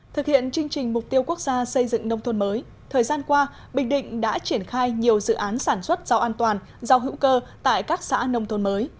thực hiện chương trình mục tiêu quốc gia xây dựng nông thôn mới thời gian qua bình định đã triển khai nhiều dự án sản xuất rau an toàn rau hữu cơ tại các xã nông thôn mới